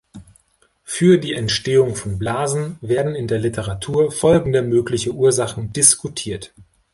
Für die Entstehung von Blasen werden in der Literatur folgende mögliche Ursachen diskutiert.